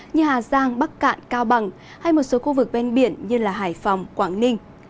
như hà giang bắc cạn cao bằng hay một số khu vực ven biển như hải phòng quảng ninh